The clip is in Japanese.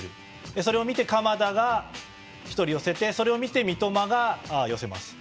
それを見て鎌田が１人寄せてそれを見て三笘が寄せます。